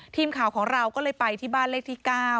ทีมข่าวของเราก็เลยไปที่บ้านเลขที่๙